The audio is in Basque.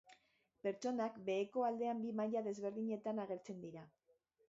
Pertsonak beheko aldean bi maila desberdinetan agertzen dira.